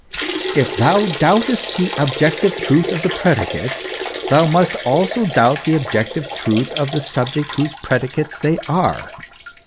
If thou doubtest the objective truth of the predicates, thou must also doubt the objective truth of the subject whose predicates they are.